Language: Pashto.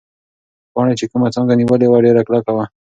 پاڼې چې کومه څانګه نیولې وه، ډېره کلکه وه.